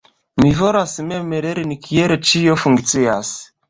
Mi volas mem lerni kiel ĉio funkcias.